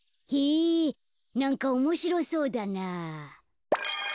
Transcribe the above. なんかおもしろそうだな。